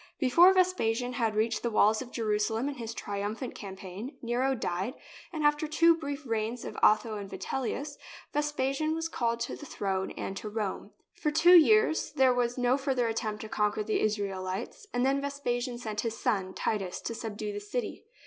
Before Vespasian had reached the walls of Jeru salem in his triumphant campaign, Nero died, and, after two brief reigns by Otho and Vitellius, Ves pasian was called to the throne and to Rome. For two years there was no further attempt to conquer the Israelites, and then Vespasian sent his son, Titus, to subdue the city.